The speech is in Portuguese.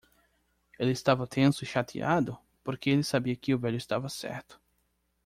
Ele estava tenso e chateado? porque ele sabia que o velho estava certo.